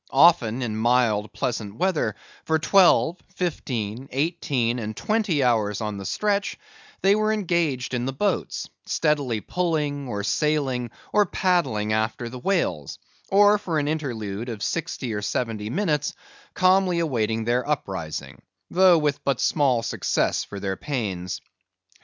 Often, in mild, pleasant weather, for twelve, fifteen, eighteen, and twenty hours on the stretch, they were engaged in the boats, steadily pulling, or sailing, or paddling after the whales, or for an interlude of sixty or seventy minutes calmly awaiting their uprising; though with but small success for their pains.